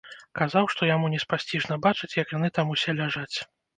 Казаў, што яму неспасціжна бачыць, як яны там усе ляжаць.